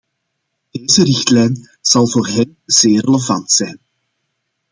Deze richtlijn zal voor hen zeer relevant zijn.